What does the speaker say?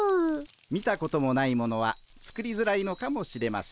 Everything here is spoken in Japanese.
見たこともないものは作りづらいのかもしれません。